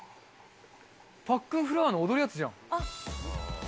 パックンフラワーの踊るやつじゃん。